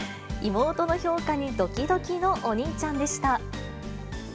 妹の評価にどきどきのお兄ちゃんでした。